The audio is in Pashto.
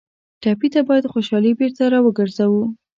ټپي ته باید خوشالي بېرته راوګرځوو.